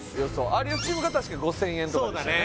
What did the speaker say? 有吉チームが確か５０００円そうだね